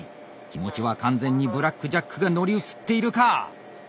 気持ちは完全にブラック・ジャックが乗り移っているか？